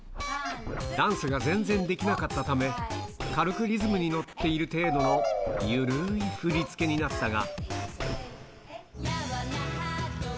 ダンスが全然できなかったため、軽くリズムに乗っている程度の緩ーい振り付けになったが。